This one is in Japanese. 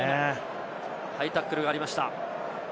ハイタックルがありました。